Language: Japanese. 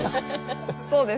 そうですね。